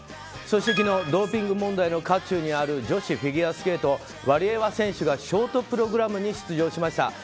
そして昨日ドーピング問題の渦中にある女子フィギュアスケートワリエワ選手がショートプログラムに出場しました。